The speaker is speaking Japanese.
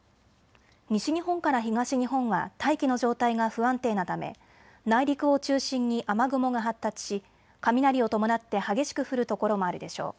西日本から東日本は大気の状態が不安定なため内陸を中心に雨雲が発達し、雷を伴って激しく降る所もあるでしょう。